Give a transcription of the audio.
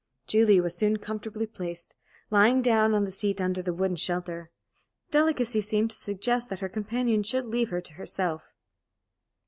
Julie was soon comfortably placed, lying down on the seat under the wooden shelter. Delicacy seemed to suggest that her companion should leave her to herself.